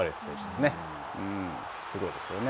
すごいですよね。